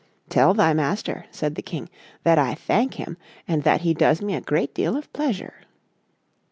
"Tell thy master," said the King, "that I thank him, and that he does me a great deal of pleasure."